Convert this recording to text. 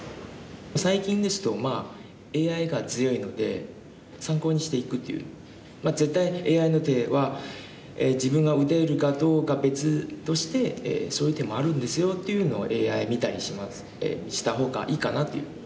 最近ですとＡＩが強いので絶対ＡＩの手は自分が打てるかどうか別としてそういう手もあるんですよっていうのをＡＩ見たりしますした方がいいかなっていう。